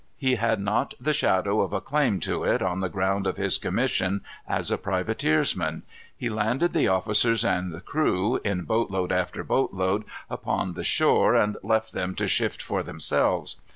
He had not the shadow of a claim to it on the ground of his commission as a privateersman. He landed the officers and the crew, in boatload after boatload, upon the shore, and left them to shift for themselves.